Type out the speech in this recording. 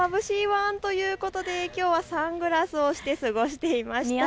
ワンということできょうはサングラスをして過ごしていました。